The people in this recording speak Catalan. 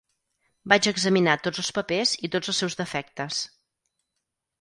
Vaig examinar tots els papers i tots els seus defectes.